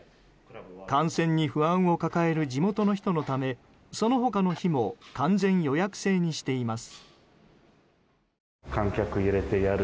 感染に不安を抱える地元の人のためその他の日も完全予約制にしています。